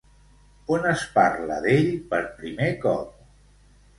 On es parla d'ell per primer cop?